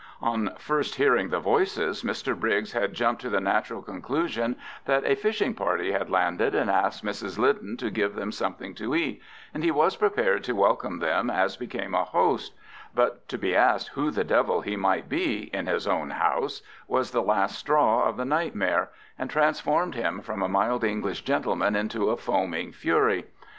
On first hearing the voices, Mr Briggs had jumped to the natural conclusion that a fishing party had landed and asked Mrs Lyden to give them something to eat, and he was prepared to welcome them as became a host; but to be asked who the devil he might be, in his own house, was the last straw of the nightmare, and transformed him from a mild English gentleman into a foaming fury.